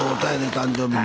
誕生日に。